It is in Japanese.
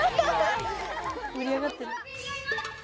盛り上がってる。